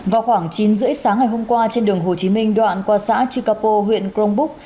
vào khoảng chín h ba mươi sáng ngày hôm qua trên đường hồ chí minh đoạn qua xã chikapo huyện cronbuk